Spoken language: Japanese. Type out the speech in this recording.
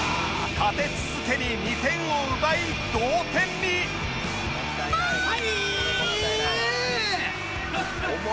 立て続けに２点を奪い同点に！はいー！